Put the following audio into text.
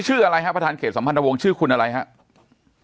อะไรครับประธานเขตสัมพันธวงศ์ชื่อคุณอะไรครับ